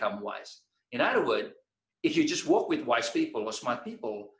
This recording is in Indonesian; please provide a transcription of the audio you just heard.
dalam arti jika anda hanya bekerja dengan orang yang bijak atau orang yang bijak